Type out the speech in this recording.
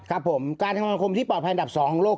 ครับผมการทำงานคมที่ปลอดภัยอันดับ๒ของโลก